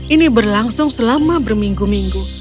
ini berlangsung selama berminggu minggu